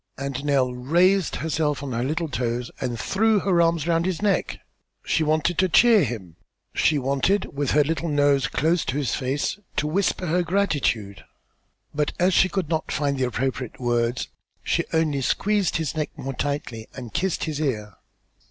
And Nell raised herself on her little toes and threw her arms around his neck. She wanted to cheer him; she wanted, with her little nose close to his face, to whisper her gratitude, but, as she could not find appropriate words, she only squeezed his neck yet more tightly and kissed his ear.